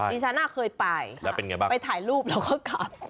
ดิฉันน่ะเคยไปไปถ่ายรูปแล้วก็กลับ